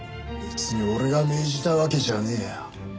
別に俺が命じたわけじゃねえよ。